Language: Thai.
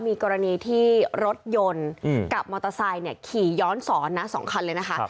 มีกรณีที่รถยนต์กับมอเตอร์ไซค์ขี่ย้อนสอนนะ๒คันเลยนะคะ